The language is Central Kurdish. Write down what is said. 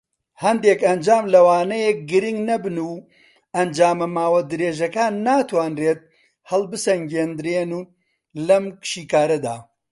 هەندێک ئەنجام لەوانەیە گرینگ نەبن، و ئەنجامە ماوە درێژەکان ناتوانرێت هەڵبسەنگێندرێن لەم شیکاریەدا.